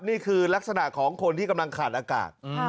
นี่คือลักษณะของคนที่กำลังขาดอากาศ